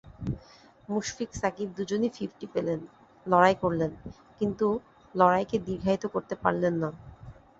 মুশফিক-সাকিব দুজনই ফিফটি পেলেন, লড়াই করলেন, কিন্তু লড়াইকে দীর্ঘায়িত করতে পারলেন না।